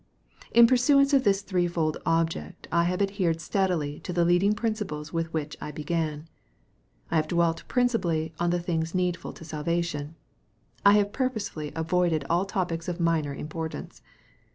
In pursuance of this three fold object, I have adhered steadily to the leading principles with which I began. I have dwelt principally on the things needful to salvation. I have purposely avoided all topics of minor importance.